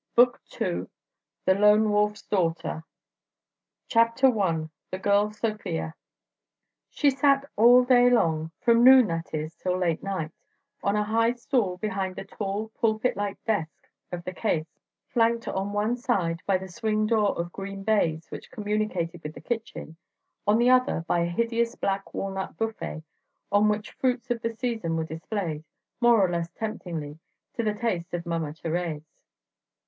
BOOK II THE LONE WOLF'S DAUGHTER I THE GIRL SOFIA She sat all day long—from noon, that is, till late at night—on a high stool behind the tall, pulpit like desk of the caisse; flanked on one hand by the swing door of green baize which communicated with the kitchen, on the other by a hideous black walnut buffet on which fruits of the season were displayed, more or less temptingly, to the taste of Mama Thérèse.